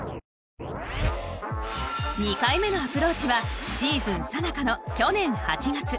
２回目のアプローチはシーズンさなかの去年８月。